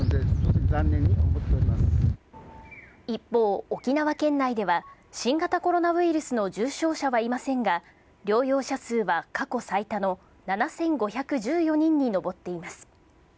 一方、沖縄県内では、新型コロナウイルスの重症者はいませんが、療養者数は過去最多の７５１４人に上っています。